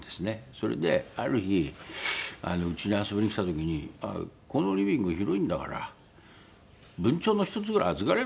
それである日うちに遊びに来た時にこのリビング広いんだから文鳥の一つぐらい預かれるでしょ？